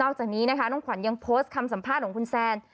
จากนี้นะคะน้องขวัญยังโพสต์คำสัมภาษณ์ของคุณแซน